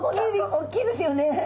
大きいですよね。